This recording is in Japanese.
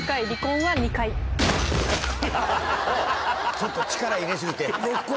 ちょっと力入れ過ぎて肋骨を。